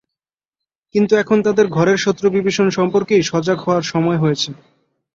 কিন্তু এখন তাদের ঘরের শত্রু বিভীষণ সম্পর্কেই সজাগ হওয়ার সময় হয়েছে।